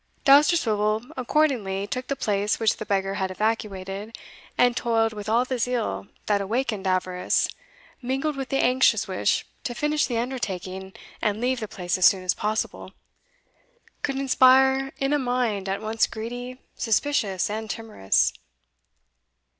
Dousterswivel accordingly took the place which the beggar had evacuated, and toiled with all the zeal that awakened avarice, mingled with the anxious wish to finish the undertaking and leave the place as soon as possible, could inspire in a mind at once greedy, suspicious, and timorous.